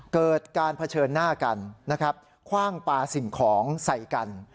เกิดการเผชิญหน้ากันนะครับคว่างปลาสิ่งของใส่กัน